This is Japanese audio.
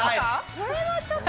それはちょっと。